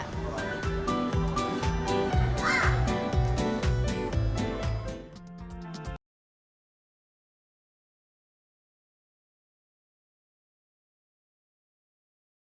widas subianto surabaya